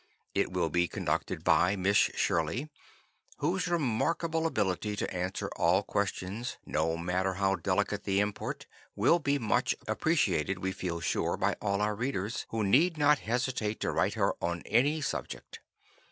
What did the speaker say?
It will be conducted by Miss Shirley, whose remarkable ability to answer all questions, no matter how delicate the import, will be much appreciated, we feel sure, by all our readers, who need not hesitate to write her on any subject.